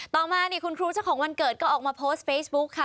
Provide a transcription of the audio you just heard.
ต่อมานี่คุณครูเจ้าของวันเกิดก็ออกมาโพสต์เฟซบุ๊คค่ะ